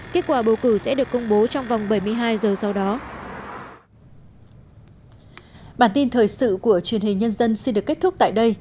kết quả bầu cử sẽ được công bố trong vòng bảy mươi hai giờ sau đó